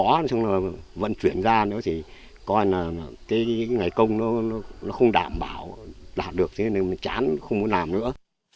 người bỏ xong rồi vận chuyển ra nữa thì coi là cái ngày công nó không đảm bảo đạt được thế nên mình chán không có làm nữa